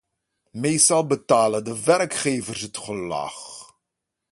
Meestal betalen de werkgevers het gelag.